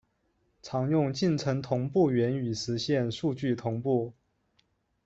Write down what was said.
常用进程同步原语实现数据同步。